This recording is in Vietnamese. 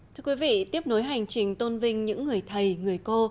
thưa quý vị tiếp nối hành trình tôn vinh những người thầy người cô